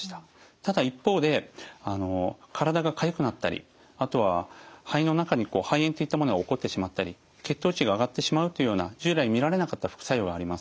ただ一方で体がかゆくなったりあとは肺の中に肺炎といったものが起こってしまったり血糖値が上がってしまうというような従来見られなかった副作用があります。